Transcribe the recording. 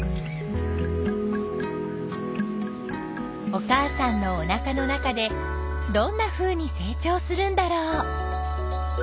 お母さんのおなかの中でどんなふうに成長するんだろう。